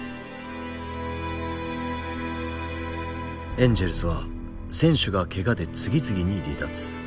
エンジェルスは選手がケガで次々に離脱。